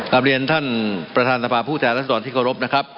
กลับเรียนท่านประธานสภาพผู้แทนรัศดรที่เคารพนะครับ